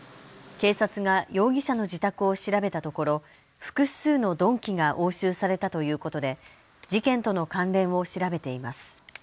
警察が容疑者の自宅を調べたところ、複数の鈍器が押収されたということで事件との関連を調べています。